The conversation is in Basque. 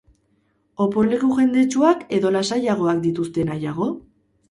Oporleku jendetsuak edo lasaiagoak dituzte nahiago?